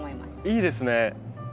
いいですね。